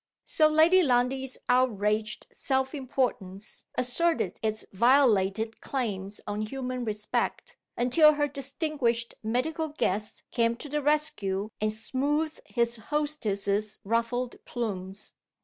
So Lady Lundie's outraged self importance asserted its violated claims on human respect, until her distinguished medical guest came to the rescue and smoothed his hostess's ruffled plumes.